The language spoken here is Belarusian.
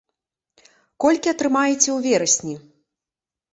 Колькі атрымаеце ў верасні?